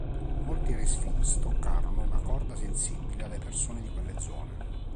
Molti race films toccarono una corda sensibile alle persone di quelle zone.